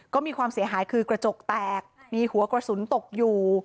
ก็มีความเสียหายคือกระจกแตกมีหัวกระสุนตกอยู่